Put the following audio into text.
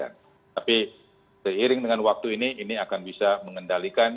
tapi seiring dengan waktu ini ini akan bisa mengendalikan